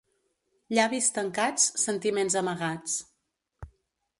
Llavis tancats, sentiments amagats.